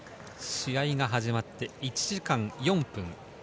試合が始まって１時間４分。